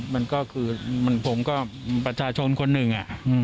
มันก็คือผมก็ประชาชนคนหนึ่ง